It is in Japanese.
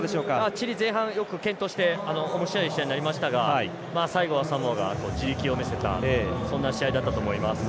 チリ、よく前半、健闘しておもしろい試合になりましたが最後はサモアが地力を見せたそんな試合だったと思います。